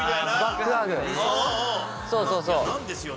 そうそうそう。